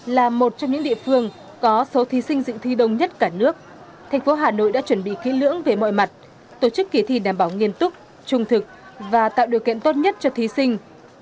là một trong những địa phương có số thí sinh dự thi đông nhất cả nước thành phố hà nội đã chuẩn bị kỹ lưỡng về mọi mặt tổ chức kỳ thi đảm bảo nghiêm túc trung thực và tạo điều kiện tốt nhất cho thí sinh